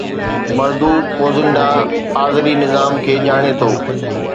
مردوڪوزنڊا آذري نظام کي ڄاڻي ٿو